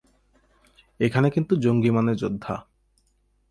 এখানে কিন্তু জঙ্গি মানে যোদ্ধা।